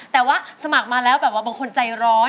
แต่ว่าสมัครมาแล้วบางคนใจร้อน